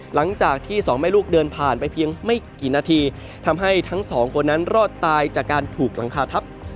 หลังจากที่สองแม่ลูกเดินผ่านไปเพียงไม่กี่นาทีทำให้ทั้งสองคนนั้นรอดตายจากการถูกหลังคาทับ